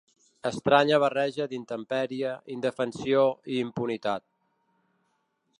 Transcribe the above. Estranya barreja d'intempèrie, indefensió i impunitat.